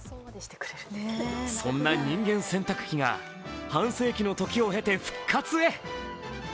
そんな人間洗濯機が半世紀の時を経て復活へ。